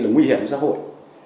nguy hiểm cho xã hội